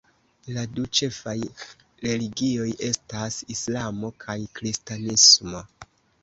La du ĉefaj religioj estas Islamo kaj Kristanismo.